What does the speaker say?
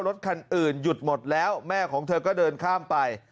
รถคันอื่นหยุดหมดแล้วแม่ของเธอก็เดินข้ามไป